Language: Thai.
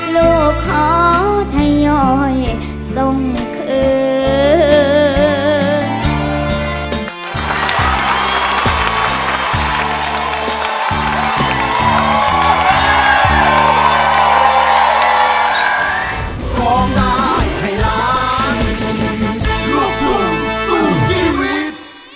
ลูกขอทยอยส่งคืน